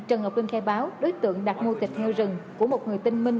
trần ngọc linh khe báo đối tượng đặt mua thịt heo rừng của một người tinh minh